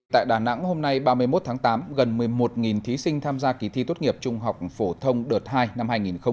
tại đà nẵng hôm nay ba mươi một tháng tám gần một mươi một thí sinh tham gia kỳ thi tốt nghiệp trung học phổ thông đợt hai năm hai nghìn hai mươi